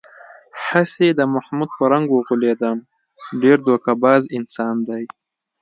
هسې د محمود په رنگ و غولېدم، ډېر دوکه باز انسان دی.